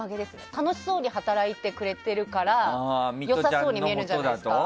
楽しそうに働いてくれているから良さそうに見えるんじゃないですか。